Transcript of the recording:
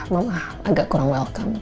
mama agak kurang welcome